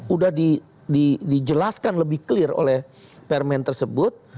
udah dijelaskan lebih clear oleh permen tersebut